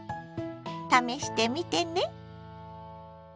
試してみてね。